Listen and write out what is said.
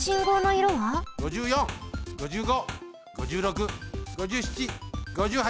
５４５５５６５７５８。